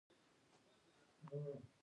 د بیو نه کنټرول ظلم دی.